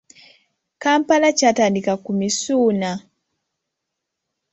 Kampala kyatandika ku Misuuna.